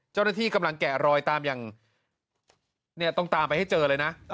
เจ้าหน้าที่กำลังแกะรอยตามอย่างเนี่ยต้องตามไปให้เจอเลยนะ